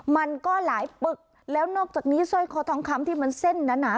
มันก็หลายปึกแล้วนอกจากนี้สร้อยคอทองคำที่มันเส้นหนา